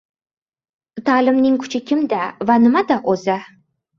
Ta’limning kuchi kimda va nimada o‘zi?!